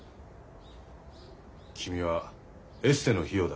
君はエステの費用だと言った。